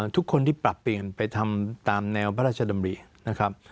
ทุกคนที่ปรับเปลี่ยนไปทำตามแนวพระราชดำรินะครับ